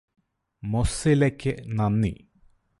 മൊസ്സിലക്ക് നന്ദി